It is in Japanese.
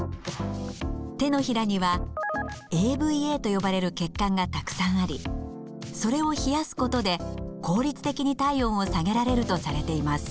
手のひらにはＡＶＡと呼ばれる血管がたくさんありそれを冷やすことで効率的に体温を下げられるとされています。